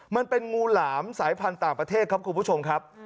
มันเป็นงูหลามสายพันธุ์ต่างประเทศครับคุณผู้ชมครับ